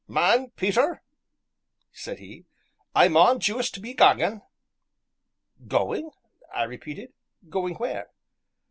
"Man, Peter," said he, "I maun juist be gangin'." "Going!" I repeated; "going where?"